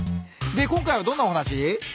で今回はどんなお話？